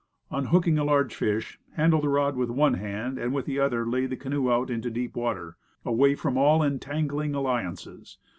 On hooking a large fish, handle the rod with one hand and with the other lay the canoe out into deep water, away from all entangling alliances.